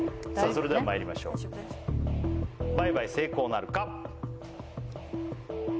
それではまいりましょう倍買成功なるか？